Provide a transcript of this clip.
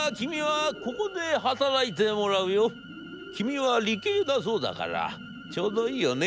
君は理系だそうだからちょうどいいよね』。